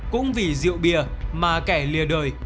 cũng vì rượu bia mà kẻ lìa đời